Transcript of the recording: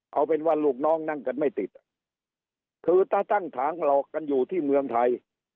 เอาเป็นว่าลูกน้องนั่งกันไม่ติดคือถ้าตั้งถางหลอกกันอยู่ที่เมืองไทย